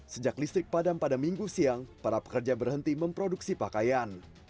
sejak listrik padam pada minggu siang para pekerja berhenti memproduksi pakaian